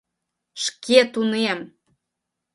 Шке тунем!